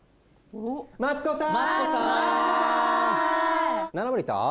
マツコさん！